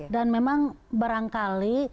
dan memang barangkali